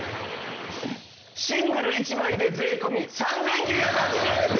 シングル１枚で税込３９８０円です！